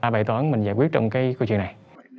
ba bài toán mình giải quyết trong cái câu chuyện này